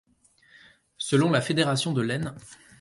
Selon la fédération de l'Aisne, '.